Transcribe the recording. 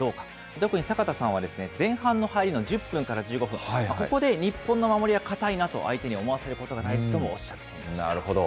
特に坂田さんはですね、前半の入りの１０分から１５分、ここで日本の守りは堅いなと相手に思わせることが大事ともおっしなるほど。